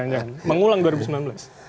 jangan jangan mengulang dua ribu sembilan belas